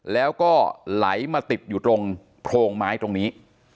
แล้วก็ไหลมาติดอยู่ตรงโพรงไม้ตรงนี้